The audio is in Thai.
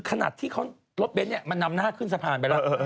ขนาดที่รถเบนท์เนี่ยมันนำหน้าขึ้นสะพานไปแล้ว